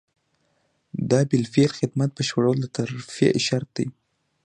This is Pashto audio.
د بالفعل خدمت بشپړول د ترفیع شرط دی.